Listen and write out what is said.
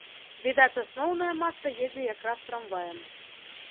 Відаць, асноўная маса едзе якраз трамваем.